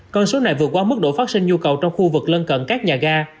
con số này vượt qua mức độ phát sinh nhu cầu trong khu vực lân cận các nhà ga